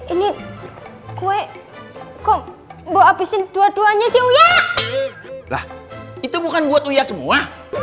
ini gue kok abisin dua duanya siulah itu bukan buat uya semua